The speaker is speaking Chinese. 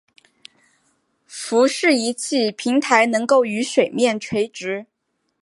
浮式仪器平台能够与水面垂直。